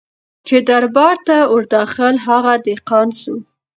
چي دربار ته ور داخل هغه دهقان سو